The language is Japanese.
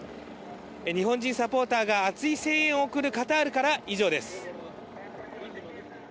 日本人サポーターが熱い声援を送るカタールからは以上です。